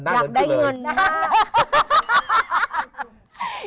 อยากได้เงินหน้าเข้าเลย